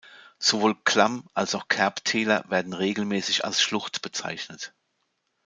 Sowohl Klamm- als auch Kerbtäler werden regelmäßig als Schlucht bezeichnet.